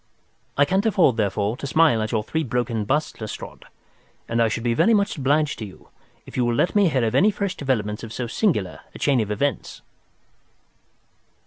I can't afford, therefore, to smile at your three broken busts, Lestrade, and I shall be very much obliged to you if you will let me hear of any fresh development of so singular a chain of events."